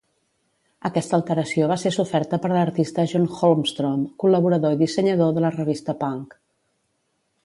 Aquesta alteració va ser soferta per l'artista John Holmstrom, col·laborador i dissenyador de la revista Punk.